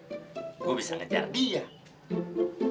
kalau gue bisa dapetin dia gue bisa jemput dia ke rumah kan